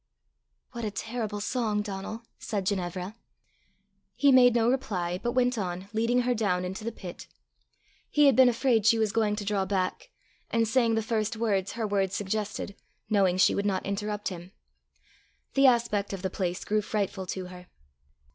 "What a terrible song, Donal!" said Ginevra. He made no reply, but went on, leading her down into the pit: he had been afraid she was going to draw back, and sang the first words her words suggested, knowing she would not interrupt him. The aspect of the place grew frightful to her.